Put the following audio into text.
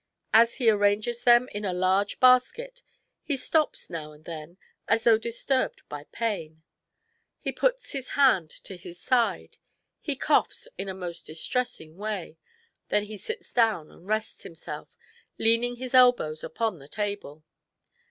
As he arranges them in a large basket, he stops now and then as though disturbed by pain. He puts his hand to his side ; he coughs in a most distressing way ; then he sits down and rests him self, leaning his elbows upon the table.